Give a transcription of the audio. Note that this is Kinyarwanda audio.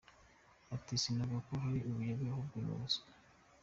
Ati “Sinavuga ko ari ubuyobe ahubwo ni ubuswa.